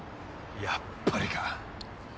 やっぱりか。